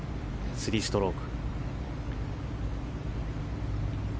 ３ストローク。